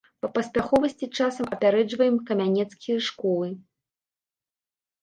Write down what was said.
Па паспяховасці часам апярэджваем камянецкія школы.